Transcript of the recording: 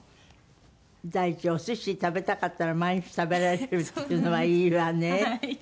第一おすし食べたかったら毎日食べられるっていうのはいいわね。